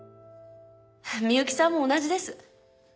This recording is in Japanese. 美由紀さんも同じです。